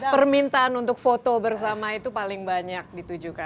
permintaan untuk foto bersama itu paling banyak ditujukan